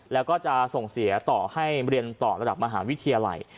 แล้วก็จะส่งเสียต่อให้เรียนต่อระดับมหาวิทยาลัย